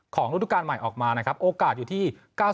ฤดูการใหม่ออกมานะครับโอกาสอยู่ที่๙๐